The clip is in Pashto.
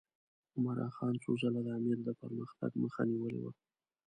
عمرا خان څو ځله د امیر د پرمختګ مخه نیولې وه.